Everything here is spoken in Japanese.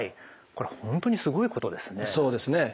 これは本当にすごいことですよねえ。